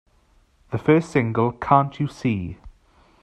The first single Can't You See?